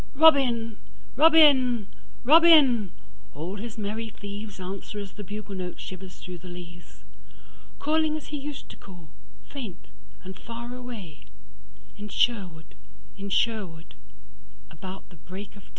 Robin! Robin! Robin! All his merry thievesAnswer as the bugle note shivers through the leaves:Calling as he used to call, faint and far away, In Sherwood, in Sherwood, about the break of day.